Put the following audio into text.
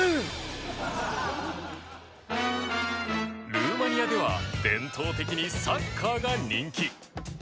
ルーマニアでは伝統的にサッカーが人気